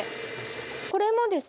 これもですね